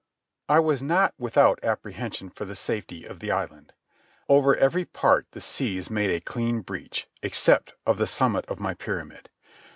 I was not without apprehension for the safety of the island. Over every part the seas made a clean breach, except of the summit of my pyramid.